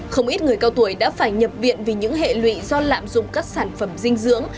không ít người cao tuổi đã phải nhập viện vì những hệ lụy do lạm dụng các sản phẩm dinh dưỡng